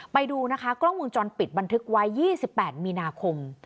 ไปดูนะคะกล้องวงจรปิดบันทึกไว้๒๘มีนาคม